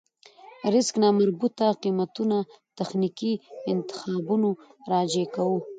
ريسک نامربوطه قېمتونه تخنيکي انتخابونو راجع کوو.